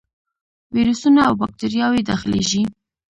ویروسونه او باکتریاوې داخليږي.